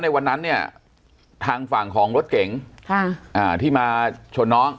ในวันนั้นเนี่ยทางฝั่งของรถเก๋งที่มาชนน้อง